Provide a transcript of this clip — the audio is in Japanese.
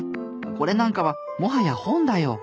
これなんかはもはや本だよ。